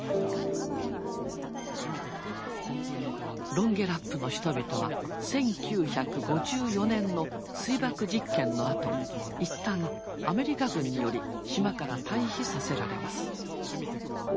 ロンゲラップの人々は１９５４年の水爆実験のあと一旦アメリカ軍により島から退避させられます。